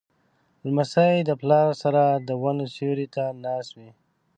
لمسی د پلار سره د ونو سیوري ته ناست وي.